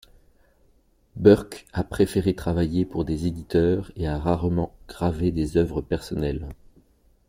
Burke a préféré travailler pour des éditeurs et a rarement graver des œuvres personnelles.